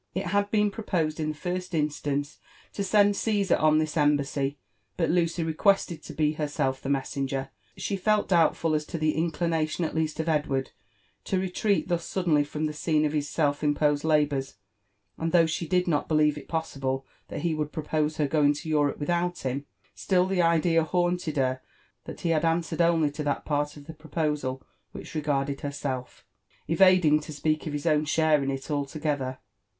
It had been propel in the first instance to send Ciesar on this embassy, but Lucy requested to be herself the messenger. She fell doubtful as to the in viination at least of Edward to retreat thus suddenly from the scene of his self imposed labours ; and though she did not believe it possible that he would propose her going to Europe without him, still the idea haunted her that he had answered only to that part of the proposal which regarded herself, evading to speak of his own share in it alto gether.